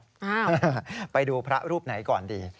อ่าไปดูพระรูปไหนก่อนดี